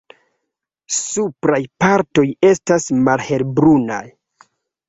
Supraj partoj estas malhelbrunaj.